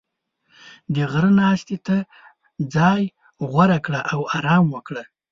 • د غره ناستې ته ځای غوره کړه او آرام وکړه.